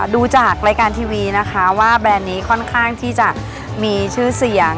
ดูจากรายการทีวีนะคะว่าแบรนด์นี้ค่อนข้างที่จะมีชื่อเสียง